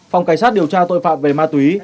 phòng cảnh sát điều tra tội phạm về ma túy